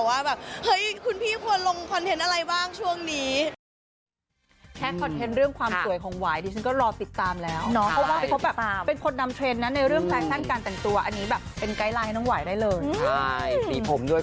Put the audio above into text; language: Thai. ว่าแบบเฮ้ยคุณพี่ควรลงคอนเทนต์อะไรบ้างช่วงนี้